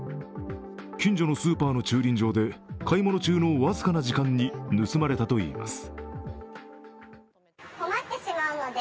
近所のスーパーの駐輪場で買い物中の僅かな時間に盗まれたといいます。